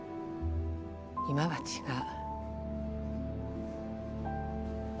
今は違う。